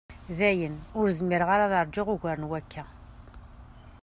Dayen, ur zmireɣ ad rjuɣ ugar n wakka.